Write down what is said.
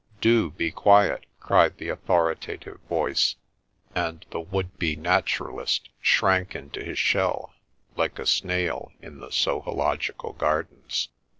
' Do be quiet !' cried the authoritative voice ; and the would be naturalist shrank into his shell, like a snail in the ' Sohological Gardens.'